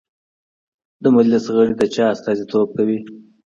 د مجلس غړي د چا استازیتوب کوي؟